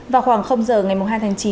vào khoảng giờ ngày hai tháng chín